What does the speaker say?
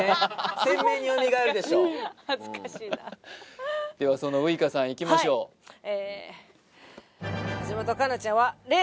鮮明に蘇るでしょ恥ずかしい恥ずかしいなではそのウイカさんいきましょうほう！